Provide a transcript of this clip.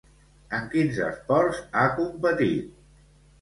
En quins esports ha competit?